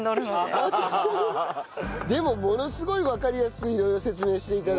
でもものすごいわかりやすく色々説明して頂いて。